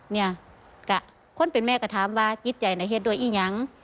เนี่ยคนเป็นแม่ก็ถามว่าจิตใจในเหตุด้วยอี้ยัง